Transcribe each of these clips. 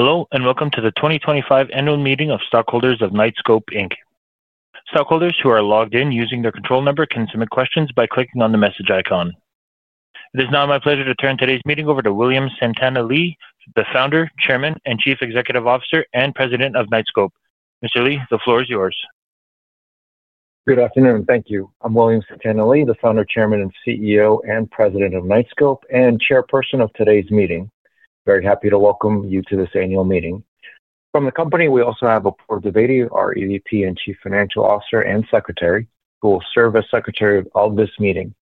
Hello, and welcome to the 2025 annual meeting of stockholders of Knightscope, Inc. Stockholders who are logged in using their control number can submit questions by clicking on the message icon. It is now my pleasure to turn today's meeting over to William Santana Li, the Founder, Chairman, Chief Executive Officer, and President of Knightscope, Inc. Mr. Li, the floor is yours. Good afternoon, thank you. I'm William Santana Li, the founder, chairman, chief executive officer, and president of Knightscope, and chairperson of today's meeting. Very happy to welcome you to this annual meeting. From the company, we also have Apoorv Dwivedi, our Executive Vice President, Chief Financial Officer, and Secretary, who will serve as secretary of this meeting.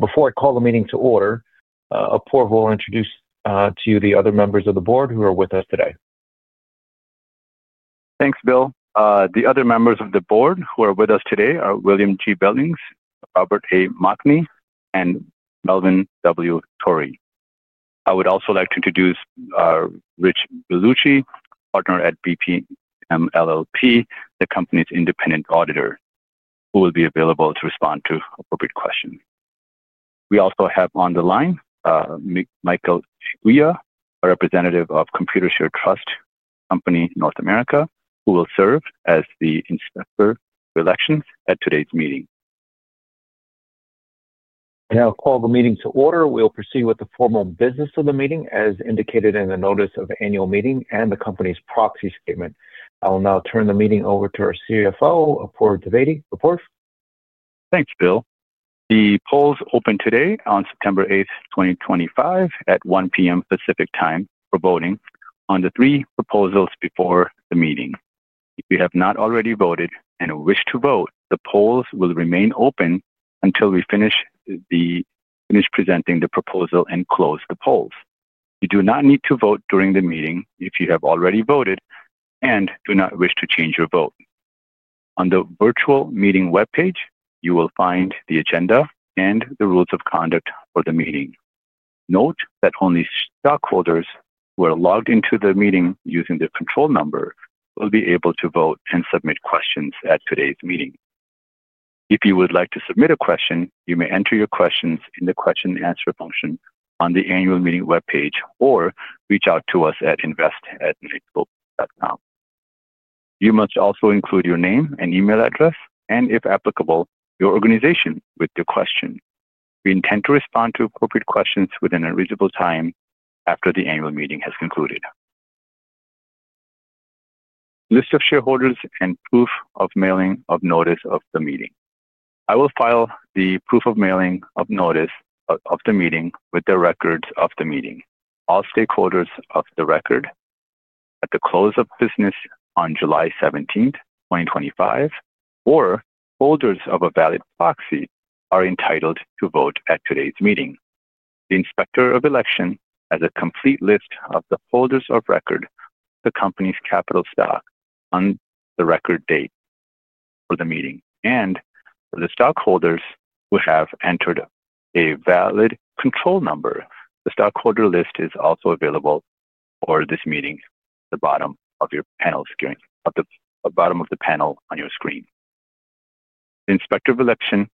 Before I call the meeting to order, Apoorv will introduce to you the other members of the board who are with us today. Thanks, Bill. The other members of the board who are with us today are William G. Billings, Robert A. Mocny, and Melvin W. Torrie. I would also like to introduce Rich Bellucci, partner at BPM LLP, the company's independent registered public accounting firm, who will be available to respond to open questions. We also have on the line Michael Chiguya, a representative of Computershare Trust Company, North America, who will serve as the inspector of elections at today's meeting. I now call the meeting to order. We'll proceed with the formal business of the meeting, as indicated in the notice of the annual meeting and the company's proxy statement. I will now turn the meeting over to our CFO, Apoorv Dwivedi. Apoorv? Thanks, Bill. The polls open today on September 8, 2025, at 1:00 P.M. Pacific Time for voting on the three proposals before the meeting. If you have not already voted and wish to vote, the polls will remain open until we finish presenting the proposal and close the polls. You do not need to vote during the meeting if you have already voted and do not wish to change your vote. On the virtual meeting web page, you will find the agenda and the rules of conduct for the meeting. Note that only stockholders who are logged into the meeting using their control number will be able to vote and submit questions at today's meeting. If you would like to submit a question, you may enter your questions in the question and answer function on the annual meeting web page or reach out to us at invest@knightscope.com. You must also include your name and email address and, if applicable, your organization with your question. We intend to respond to appropriate questions within a reasonable time after the annual meeting has concluded. List of shareholders and proof of mailing of notice of the meeting. I will file the proof of mailing of notice of the meeting with the records of the meeting. All stockholders of record at the close of business on July 17, 2025, or holders of a valid proxy are entitled to vote at today's meeting. The inspector of elections has a complete list of the holders of record, the company's capital stock on the record date for the meeting, and for the stockholders who have entered a valid control number. The stockholder list is also available for this meeting at the bottom of your panel screen, at the bottom of the panel on your screen. The inspector of elections,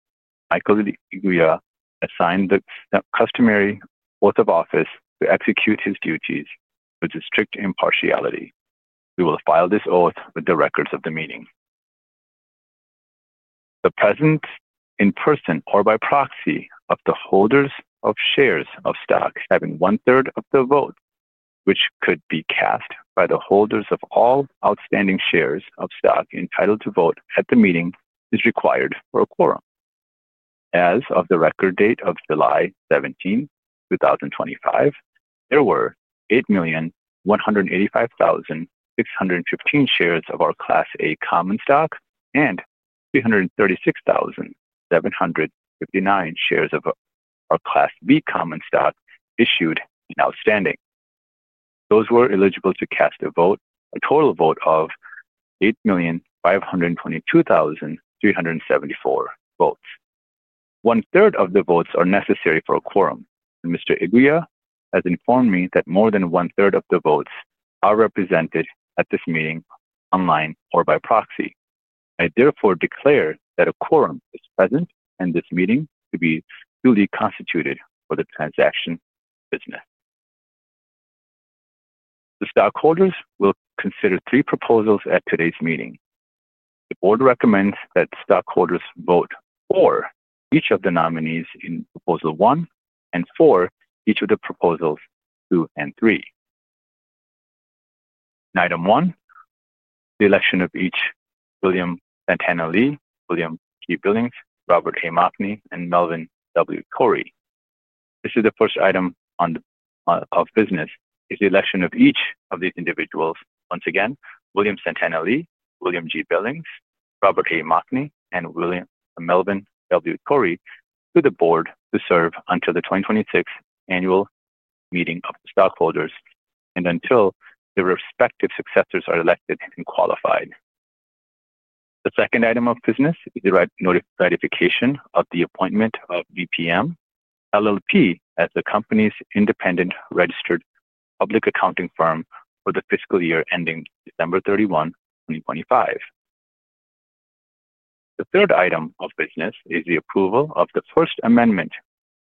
Michael Chiguya, assigned the customary oath of office to execute his duties with strict impartiality. We will file this oath with the records of the meeting. The presence in person or by proxy of the holders of shares of stock having one third of the vote, which could be cast by the holders of all outstanding shares of stock entitled to vote at the meeting, is required for a quorum. As of the record date of July 17, 2025, there were 8,185,615 shares of our Class A common stock and 336,759 shares of our Class B common stock issued and outstanding. Those were eligible to cast a vote, a total vote of 8,522,374 votes. One third of the votes are necessary for a quorum, and Mr. Chiguya has informed me that more than one third of the votes are represented at this meeting online or by proxy. I therefore declare that a quorum is present and this meeting to be duly constituted for the transaction of business. The stockholders will consider three proposals at today's meeting. The board recommends that stockholders vote for each of the nominees in proposal one and for each of the proposals two and three. Item one, the election of each William Santana Li, William G. Billings, Robert A. Mocny, and Melvin W. Torrie. This is the first item of business, is the election of each of these individuals. Once again, William Santana Li, William G. Billings, Robert A. Mocny, and Melvin W. Torrie to the board to serve until the 2026 annual meeting of the stockholders and until their respective successors are elected and qualified. The second item of business is the ratification of the appointment of BPM LLP as the company's independent registered public accounting firm for the fiscal year ending December 31, 2025. The third item of business is the approval of the first amendment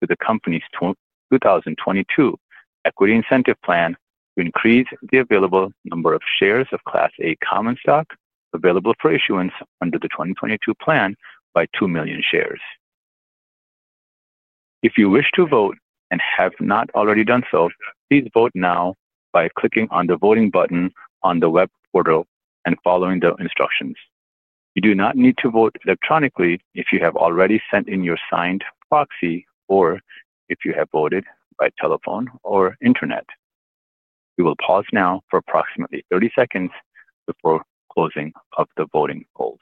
to the company's 2022 Equity Incentive Plan to increase the available number of shares of Class A common shares available for issuance under the 2022 plan by 2 million shares. If you wish to vote and have not already done so, please vote now by clicking on the voting button on the web portal and following the instructions. You do not need to vote electronically if you have already sent in your signed proxy or if you have voted by telephone or internet. We will pause now for approximately 30 seconds before closing of the voting poll.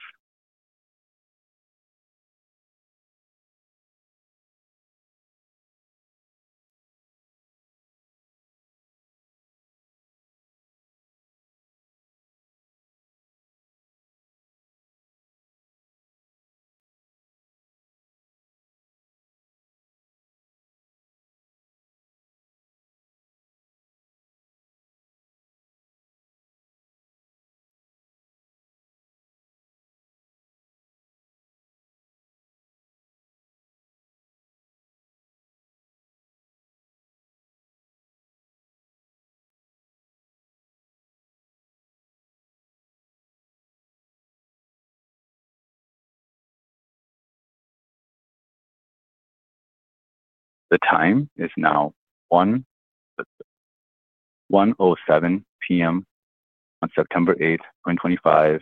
The time is now 1:07 P.M. on September 8, 2025,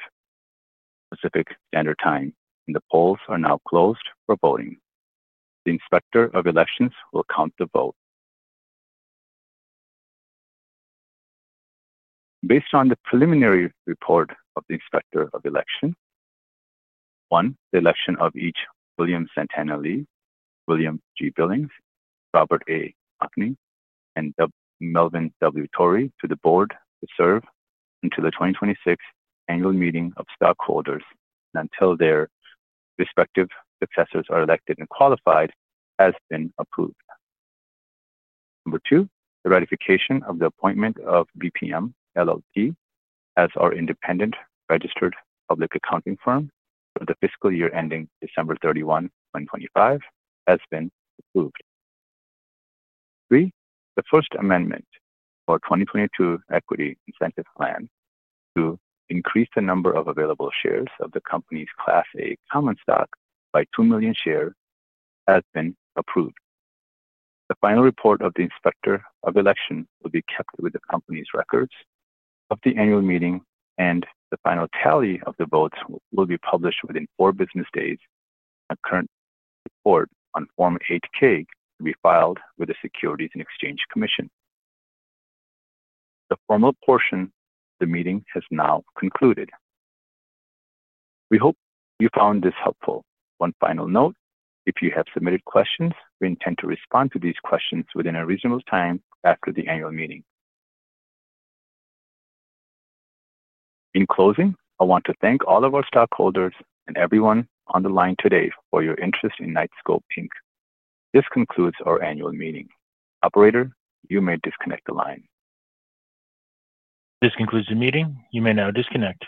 Pacific Standard Time, and the polls are now closed for voting. The inspector of elections will count the vote. Based on the preliminary report of the inspector of elections, one, the election of each William Santana Li, William G. Billings, Robert A. Mocny, and Melvin W. Torrie to the board to serve until the 2026 annual meeting of stockholders and until their respective successors are elected and qualified has been approved. Number two, the ratification of the appointment of BPM LLP as our independent registered public accounting firm for the fiscal year ending December 31, 2025, has been approved. Three, the first amendment for 2022 Equity Incentive Plan to increase the number of available shares of the company's Class A common shares by 2 million shares has been approved. The final report of the inspector of elections will be kept with the company's records of the annual meeting, and the final tally of the votes will be published within four business days. A current report on Form 8-K will be filed with the Securities and Exchange Commission. The formal portion of the meeting has now concluded. We hope you found this helpful. One final note, if you have submitted questions, we intend to respond to these questions within a reasonable time after the annual meeting. In closing, I want to thank all of our stockholders and everyone on the line today for your interest in Knightscope, Inc. This concludes our annual meeting. Operator, you may disconnect the line. This concludes the meeting. You may now disconnect.